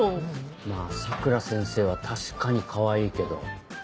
まぁ佐倉先生は確かにかわいいけど。